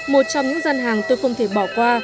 một trong những gian hàng tôi không thể bỏ qua